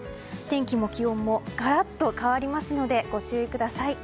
天気も気温もガラッと変わりますのでご注意ください。